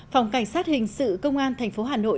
phòng cảnh sát hình sự công an thành phố hà nội